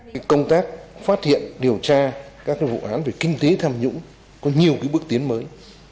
cái công tác phát hiện điều tra các vụ án về kinh tế tham nhũng có nhiều bước tiến mới